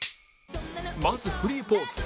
まずフリーポーズ